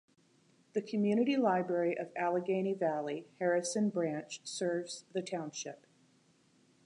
The Community Library of Allegheny Valley, Harrison Branch serves the township.